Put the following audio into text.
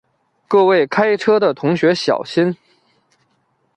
各位开车的同学小心